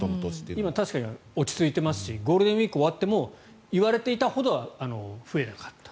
今、確かに落ち着いていますしゴールデンウィークが終わっても言われていたほどは増えなかった。